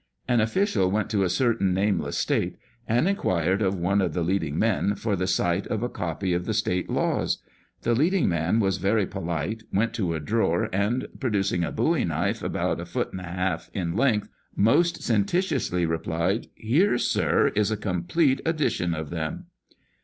An official went to a certain nameless state and inquired of one of the leading men for the sight of a copy of the state laws. The leading man was very polite, went to a drawer, and, pro ducing a bowie knife about a foot and a half in length, most sententiously replied, " Here, sir, is a complete edition of them